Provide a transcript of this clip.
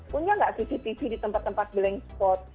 punya nggak cctv di tempat tempat blank spot